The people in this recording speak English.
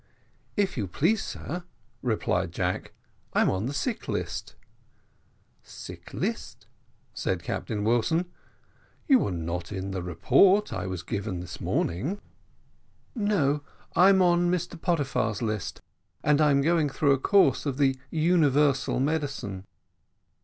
"If you please, sir," replied Jack, "I'm on the sick list." "Sick list," said Captain Wilson; "you were not in the report that Mr Wilson gave me this morning." "No, I'm on Mr Pottyfar's list; and I'm going through a course of the universal medicine."